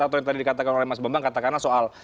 atau yang tadi dikatakan oleh mas bambang katakanlah soal